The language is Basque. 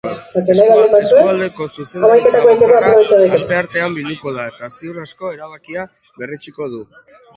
Eskualdeko zuzendaritza batzarra asteartean bilduko da, eta ziur aski erabakia berretsiko du.